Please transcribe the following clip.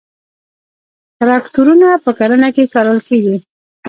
تراکتورونه په کرنه کې کارول کیږي